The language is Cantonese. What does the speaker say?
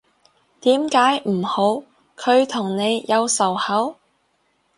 點解唔好，佢同你有仇口？